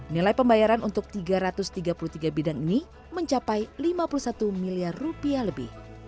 nilai pembayaran untuk tiga ratus tiga puluh tiga bidang ini mencapai lima puluh satu miliar rupiah lebih